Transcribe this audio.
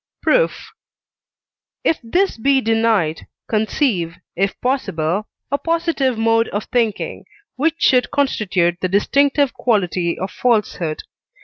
Proof. If this be denied, conceive, if possible, a positive mode of thinking, which should constitute the distinctive quality of falsehood.